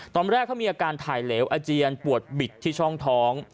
ตอนแรกเขามีอาการถ่ายเหลวอาเจียนปวดบิดที่ช่องท้อง